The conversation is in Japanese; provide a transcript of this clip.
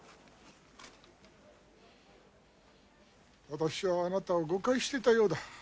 私はあなたを誤解してたようだ。